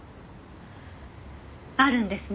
あるんですね？